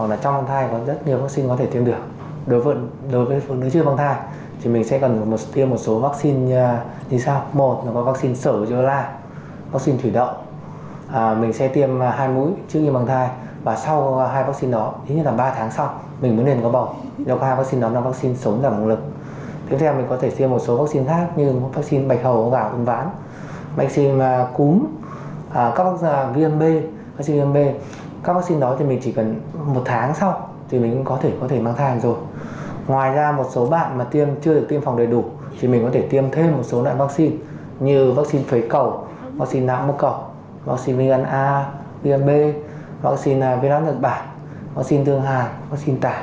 các bạn mà chưa được tiêm phòng đầy đủ thì mình có thể tiêm thêm một số loại vaccine như vaccine phế cầu vaccine nạng mất cầu vaccine vna vaccine vnb vaccine vnb vaccine tương hà vaccine tả